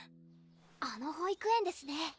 あの保育園ですね